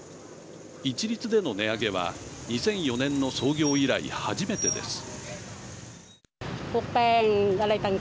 一律での値上げは２００４年の創業以来初めてです。